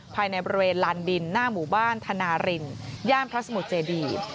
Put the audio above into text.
ภายในบริเวณลานดินหน้าหมู่บ้านธนารินย่านพระสมุทรเจดี